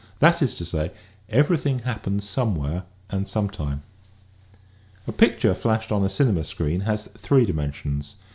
That is to say, everything happens somewhere and some time. A picture flashed on a cinema screen has three di mensions.